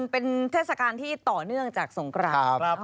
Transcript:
เป็นเทศกาลที่ต่อเนื่องจากสงคราน